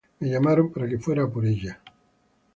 Me llamaron para que fuera a por ella.